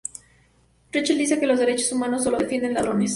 Rachel dice que los derechos humanos sólo defienden ladrones.